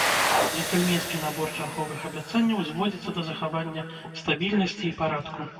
Джэнтльменскі набор чарговых абяцанняў зводзіцца да захавання стабільнасці і парадку.